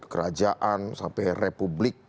kerajaan sampai republik